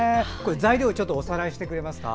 材料、おさらいしてくれますか。